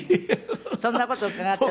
そんな事伺って。